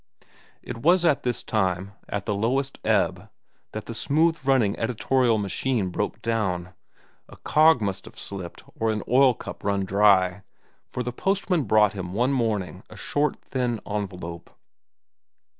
It was at this time, at the lowest ebb, that the smooth running editorial machine broke down. A cog must have slipped or an oil cup run dry, for the postman brought him one morning a short, thin envelope.